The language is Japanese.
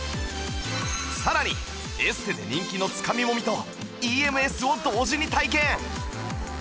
さらにエステで人気のつかみもみと ＥＭＳ を同時に体験！